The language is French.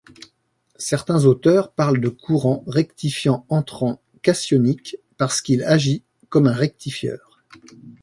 Certains auteurs parlent de courant rectifiant entrant cationique, parce qu'il agit comme un rectifieur.